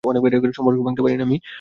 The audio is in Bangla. সম্পর্ক ভাঙতে পারি না আমরা মোটেও।